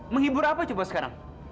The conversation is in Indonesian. menghibur apa coba sekarang